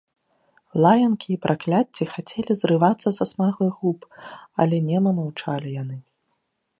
Лаянкі і пракляцці хацелі зрывацца са смаглых губ, але нема маўчалі яны.